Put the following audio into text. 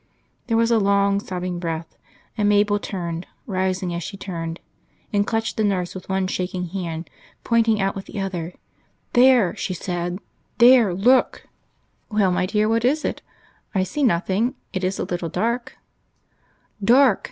There was a long sobbing breath, and Mabel turned, rising as she turned, and clutched the nurse with one shaking hand, pointing out with the other. "There!" she said. "There look!" "Well, my dear, what is it? I see nothing. It is a little dark!" "Dark!"